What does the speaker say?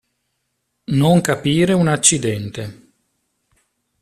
Non capire un accidente.